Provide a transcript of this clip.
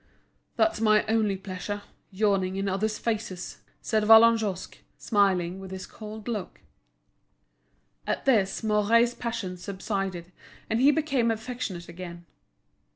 "That's my only pleasure, yawning in other's faces," said Vallagnosc, smiling with his cold look. At this Mouret's passion subsided, and he became affectionate again.